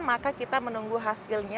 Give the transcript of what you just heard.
maka kita menunggu hasilnya